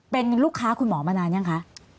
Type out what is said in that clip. เป็นลูกค้าคุณหมอมานานยังคะ